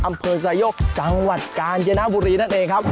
อำเภอไซโยกจังหวัดกาญจนบุรีนั่นเองครับ